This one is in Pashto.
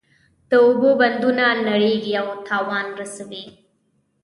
د اوبو بندونه نړیږي او تاوان رسوي.